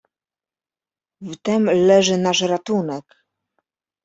"W tem leży nasz ratunek."